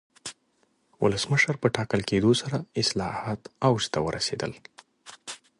ولسمشر په ټاکل کېدو سره اصلاحات اوج ته ورسېدل.